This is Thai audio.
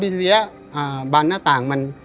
พี่เสียบ้านหน้าต่างมัน